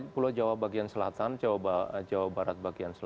pulau jawa bagian selatan jawa barat